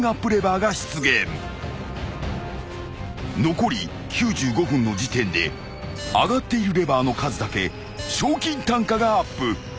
［残り９５分の時点で上がっているレバーの数だけ賞金単価がアップ］